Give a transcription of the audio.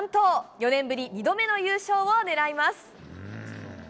４年ぶり２度目の優勝を狙います。